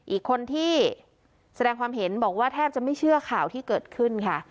อีกคนที่แสดงความเห็นบอกว่าแทบจะไม่เชื่อข่าวที่เกิดขึ้นค่ะ